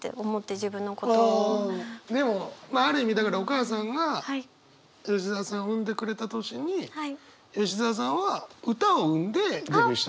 でもある意味だからお母さんが吉澤さんを産んでくれた年に吉澤さんは歌を生んでデビューしたわけでしょ？